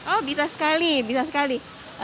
oh bisa sekali bisa sekali